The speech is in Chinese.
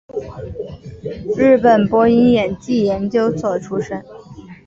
日本播音演技研究所出身。